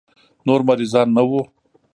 نور مريضان نه وو.